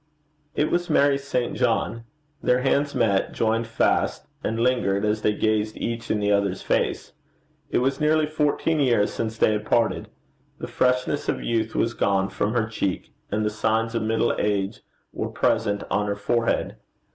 It was Mary St. John. Their hands met, joined fast, and lingered, as they gazed each in the other's face. It was nearly fourteen years since they had parted. The freshness of youth was gone from her cheek, and the signs of middle age were present on her forehead.